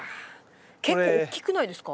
結構大きくないですか？